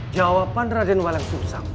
jawaban raden walau susah